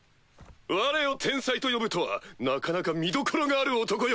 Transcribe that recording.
われを天才と呼ぶとはなかなか見どころがある男よ！